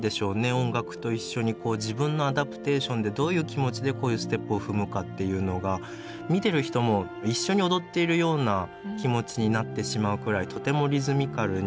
音楽と一緒に自分のアダプテーションでどういう気持ちでこういうステップを踏むかっていうのが見てる人も一緒に踊っているような気持ちになってしまうくらいとてもリズミカルに。